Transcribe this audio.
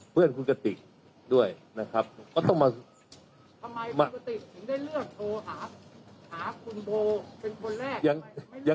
เพื่อนขุมกะติกด้วยนะครับก็ต้องมา